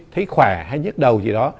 thấy khỏe hay nhức đầu gì đó